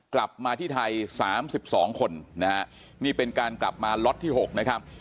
กลับมาที่ไทย๓๒คนนะฮะนี่เป็นการกลับมาล็อตที่๖นะครับ